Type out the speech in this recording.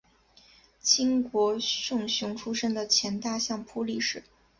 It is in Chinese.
清国胜雄出身的前大相扑力士。